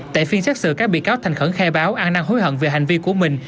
tại phiên xét xử các bị cáo thành khẩn khai báo an năng hối hận về hành vi của mình